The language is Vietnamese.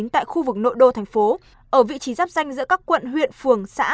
tại khu vực nội đô thành phố ở vị trí giáp danh giữa các quận huyện phường xã